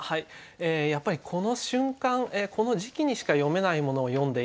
やっぱりこの瞬間この時期にしか詠めないものを詠んでいるそこがいいですよね。